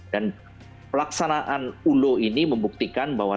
dan pelaksanaan ulo ini membuktikan bahwa